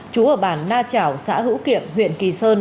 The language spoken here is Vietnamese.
trú ở bản na trảo xã hữu kiệm huyện kỳ sơn